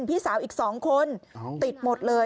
พี่สาวอีก๒คนติดหมดเลย